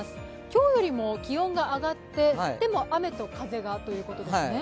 今日よりも気温が上がって、でも、雨と風がということですね。